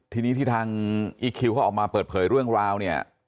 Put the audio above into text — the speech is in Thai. ทีนี้ที่ทางอีคิวเขาออกมาเปิดเผยเรื่องราวเนี่ย